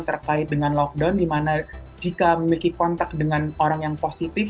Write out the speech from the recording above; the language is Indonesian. terkait dengan lockdown di mana jika memiliki kontak dengan orang yang positif